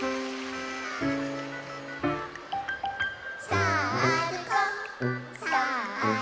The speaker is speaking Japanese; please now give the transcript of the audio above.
「さぁあるこさぁあるこ」